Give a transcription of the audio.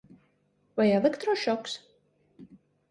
Vai elektrošoks?